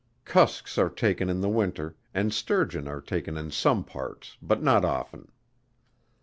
Cusks are taken in the winter, and Sturgeon are taken in some parts, but not often.